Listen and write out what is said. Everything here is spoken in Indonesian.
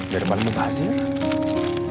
biar bambu ngasih lo